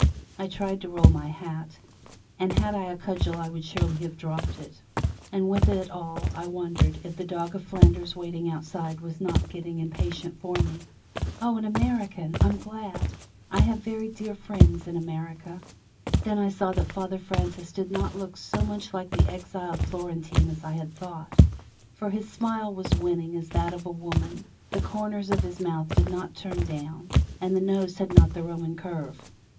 I tried to roll my hat, and had I a cudgel I would surely have dropped it; and with it all I wondered if the dog of Flanders waiting outside was not getting impatient for me! "Oh, an American! I'm glad I have very dear friends in America!" Then I saw that Father Francis did not look so much like the exiled Florentine as I had thought, for his smile was winning as that of a woman, the corners of his mouth did not turn down, and the nose had not the Roman curve.